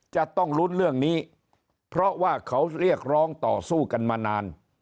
จะต้องลุ้นเรื่องนี้เพราะว่าเขาเรียกร้องต่อสู้กันมานาน